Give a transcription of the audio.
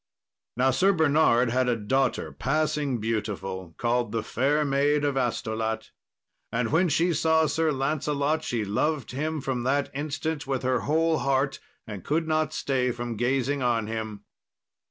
Now Sir Bernard had a daughter passing beautiful, called the Fair Maid of Astolat, and when she saw Sir Lancelot she loved him from that instant with her whole heart, and could not stay from gazing on him.